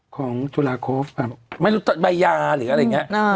ของจุฬาโคฟไม่รู้ใบยาหรืออะไรอย่างนี้